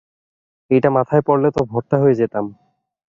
এইটা মাথায় পড়লে তো ভর্তা হয়ে যেতাম।